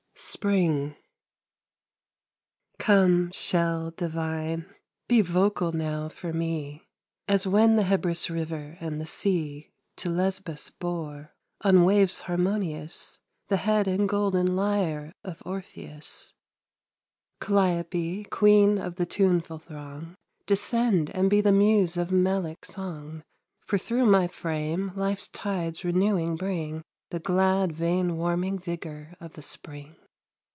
SPRING Come, shell divine, be vocal now for me, As when the Hebrus river and the sea To Lesbos bore, on waves harmonious, The head and golden lyre of Orpheus. Calliope, queen of the tuneful throng, Descend and be the Muse of melic song; For through my frame life's tides renewing bring The glad vein warming vigor of the spring.